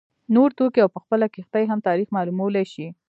نور توکي او خپله کښتۍ هم تاریخ معلومولای شي